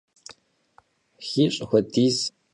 Xiş' xuediz khaxetşşaş.